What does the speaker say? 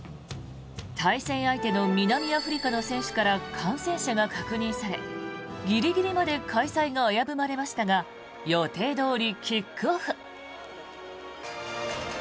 対戦相手の南アフリカの選手から感染者が確認されギリギリまで開催が危ぶまれましたが予定どおりキックオフ。